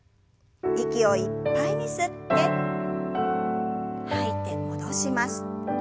息をいっぱいに吸って吐いて戻します。